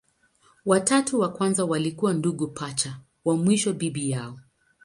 Watatu wa kwanza walikuwa ndugu pacha, wa mwisho bibi yao.